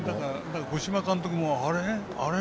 五島監督もあれ？